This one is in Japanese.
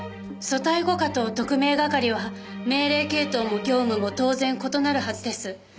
組対５課と特命係は命令系統も業務も当然異なるはずです。